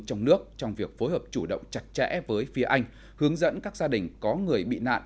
trong nước trong việc phối hợp chủ động chặt chẽ với phía anh hướng dẫn các gia đình có người bị nạn